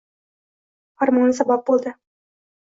farmoni sabab bo'ldi.